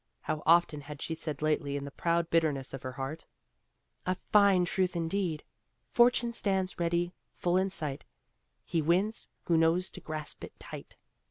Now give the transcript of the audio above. How often had she said lately in the proud bitterness of her heart, "A fine truth indeed! 'Fortune stands ready, full in sight, He wins, who knows to grasp it right!'"